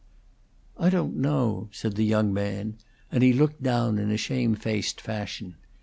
"I don't know," said the young man; and he looked down in a shamefaced fashion.